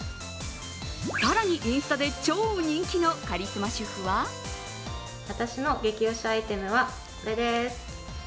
更に、インスタで超人気のカリスマ主婦は私の激推しアイテムはこれです。